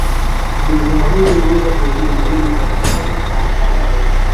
Ugonjwa huu unaweza kuenea mwilini kwa haraka au polepole